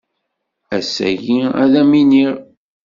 Ass-agi ad am-iniɣ.